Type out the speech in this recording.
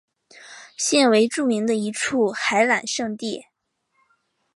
现为著名的一处游览胜地。